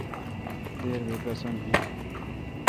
دیر بی بھسن این